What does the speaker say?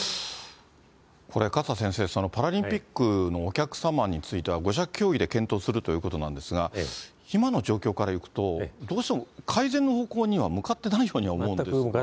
これ勝田先生、パラリンピックのお客様については、５者協議で検討するということなんですが、今の状況からいくと、どうしても改善の方向には向かってないように思うんですが。